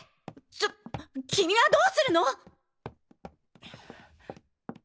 ちょ君はどうするの？